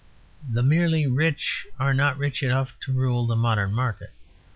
The merely rich are not rich enough to rule the modern market.